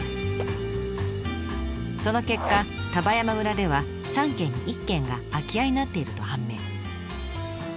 その結果丹波山村では３軒に１軒が空き家になっていると判明。